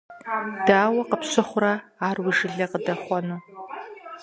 Дауэ къыпщыхъурэ ар уи жылэ къыдэхъуэну.